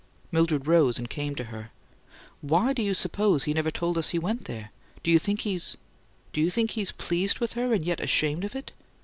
Mildred rose and came to her. "WHY do you suppose he never told us he went there? Do you think he's do you think he's pleased with her, and yet ashamed of it?